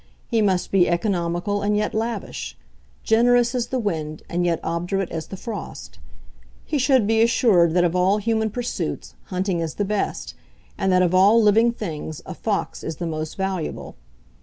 He must be economical and yet lavish; generous as the wind and yet obdurate as the frost. He should be assured that of all human pursuits hunting is the best, and that of all living things a fox is the most valuable.